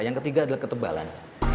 yang ketiga adalah ketebalan